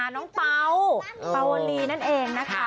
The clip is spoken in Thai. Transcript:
น้องเป๋าปาวลีนั่นเองนะคะ